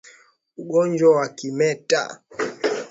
Ugonjwa wa kimeta